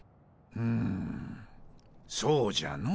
うんそうじゃの。